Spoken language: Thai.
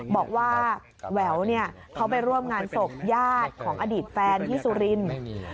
บอกว่าแหววเขาไปร่วมงานศพญาติของอดีตแฟนที่สุรินทร์